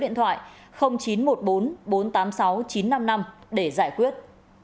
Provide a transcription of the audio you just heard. ngoại chín trăm một mươi bốn bốn trăm tám mươi sáu chín trăm năm mươi năm để giải quyết